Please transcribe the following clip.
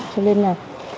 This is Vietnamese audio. cho nên là